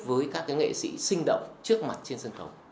với các nghệ sĩ sinh động trước mặt trên sân khấu